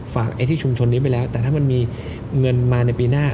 ไอ้ที่ชุมชนนี้ไปแล้วแต่ถ้ามันมีเงินมาในปีหน้า